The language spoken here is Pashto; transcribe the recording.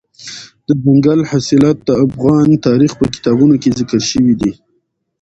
دځنګل حاصلات د افغان تاریخ په کتابونو کې ذکر شوی دي.